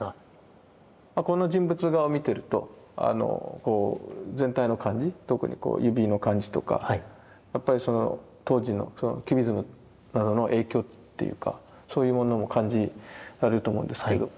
この人物画を見てると全体の感じ特に指の感じとかやっぱり当時のキュビズムの影響っていうかそういうものも感じられると思うんですけれども。